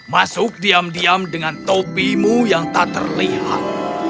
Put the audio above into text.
masuk diam diam dengan topimu yang tak terlihat